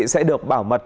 sẽ được bảo mật